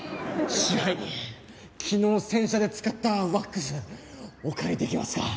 支配人昨日洗車で使ったワックスお借りできますか？